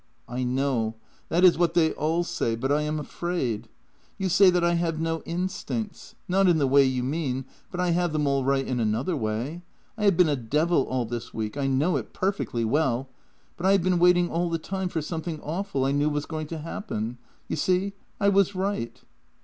"" I know. That is what they all say, but I am afraid. You say that I have no instincts — not in the way you mean, but I have them all right in another way. I have been a devil all this week — I know it perfectly well — but I have been waiting all the time for something awful I knew was going to happen. You see, I was right."